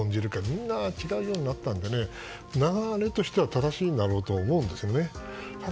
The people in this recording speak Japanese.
みんな違うようになったので流れとしては正しいんだろうと思うんですよね。